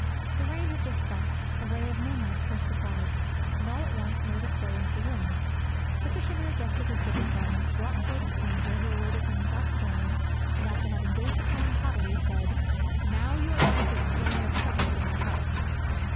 The rain had just stopped, a ray of moonlight pierced the clouds, and all at once made its way into the room. The fisherman adjusted his dripping garments, walked towards the stranger, who awaited him without stirring, and after having gazed upon him haughtily, said, "Now you are going to explain your presence in our house."